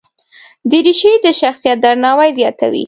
دریشي د شخصیت درناوی زیاتوي.